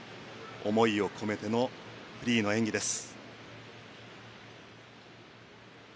思いを込めてのフリーの演技です。